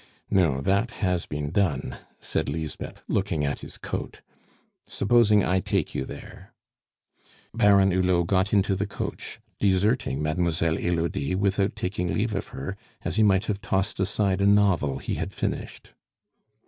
"No, that has been done," said Lisbeth, looking at his coat. "Supposing I take you there." Baron Hulot got into the coach, deserting Mademoiselle Elodie without taking leave of her, as he might have tossed aside a novel he had finished.